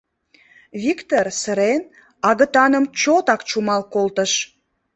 Виктыр, сырен, агытаным чотак чумал колтыш.